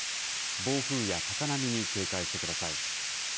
暴風や高波に警戒してください。